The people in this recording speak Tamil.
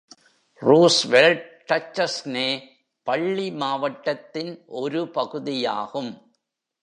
ரூஸ்வெல்ட் டச்சஸ்னே பள்ளி மாவட்டத்தின் ஒரு பகுதியாகும்.